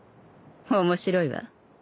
面白いわ